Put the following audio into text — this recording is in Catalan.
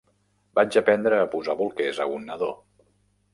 Vaig aprendre a posar bolquers a un nadó.